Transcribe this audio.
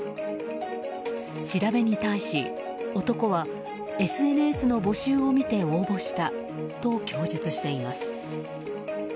調べに対し、男はＳＮＳの募集を見て応募したと供述しています。